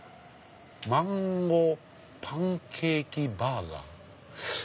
「マンゴーパンケーキバーガー」。